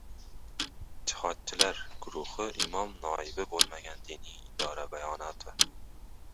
«Jihodchilar» guruhida imom noibi bo‘lmagan – diniy idora bayonoti